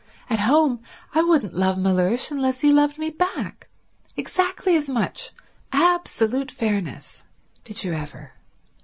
At home I wouldn't love Mellersh unless he loved me back, exactly as much, absolute fairness. Did you ever.